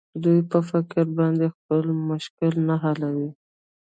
دوى په فکر باندې خپل مشکل نه حلوي.